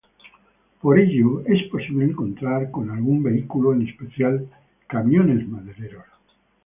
Por ello es posible encontrarse con algún vehículo, en especial camiones madereros.